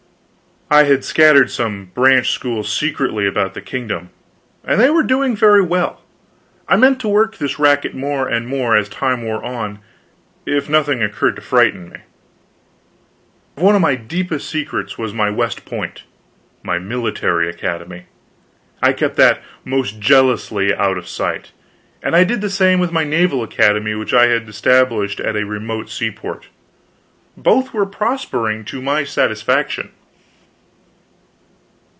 I had scattered some branch schools secretly about the kingdom, and they were doing very well. I meant to work this racket more and more, as time wore on, if nothing occurred to frighten me. One of my deepest secrets was my West Point my military academy. I kept that most jealously out of sight; and I did the same with my naval academy which I had established at a remote seaport. Both were prospering to my satisfaction.